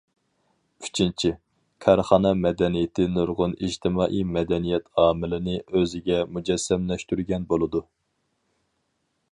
ئۈچىنچى، كارخانا مەدەنىيىتى نۇرغۇن ئىجتىمائىي مەدەنىيەت ئامىلىنى ئۆزىگە مۇجەسسەملەشتۈرگەن بولىدۇ.